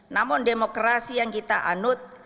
namun demokrasi yang kita anut